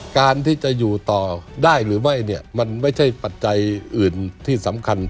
การที่จะอยู่ต่อได้หรือไม่เนี่ยมันไม่ใช่ปัจจัยอื่นที่สำคัญ